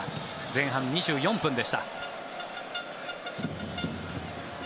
前半２４分でした。